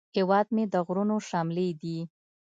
هیواد مې د غرونو شملې دي